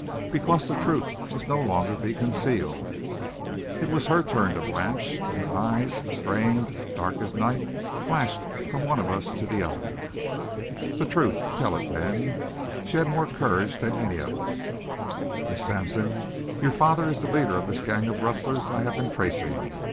"Because the truth must no longer be concealed." It was her turn to blanch, and her eyes, strained, dark as night, flashed from one of us to the other. "The truth! Tell it then." She had more courage than any of us. "Miss Sampson, your father is the leader of this gang of rustlers I have been tracing.